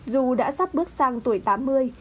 dù đã sắp bước sang tuổi tám mươi